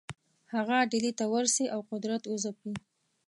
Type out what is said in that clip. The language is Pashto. هغه ډهلي ته ورسي او قدرت وځپي.